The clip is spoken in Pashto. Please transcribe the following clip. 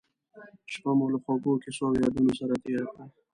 شپه مو له خوږو کیسو او یادونو سره تېره کړه.